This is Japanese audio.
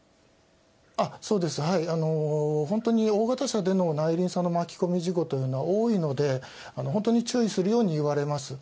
そうです、本当に大型車での内輪差の巻き込み事故というのは多いので、本当に注意するように言われます。